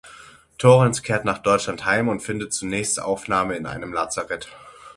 Torrens kehrt nach Deutschland heim und findet zunächst Aufnahme in einem Lazarett.